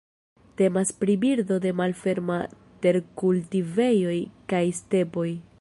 Temas pri birdo de malferma terkultivejoj kaj stepoj.